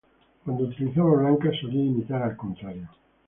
Cuando utilizaba blancas solía imitar al contrario.